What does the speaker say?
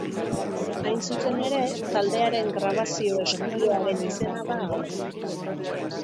Hain zuzen ere, taldearen grabazio estudioaren izena da hau.